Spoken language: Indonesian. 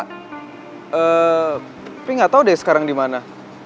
tapi nggak tahu deh sekarang di mana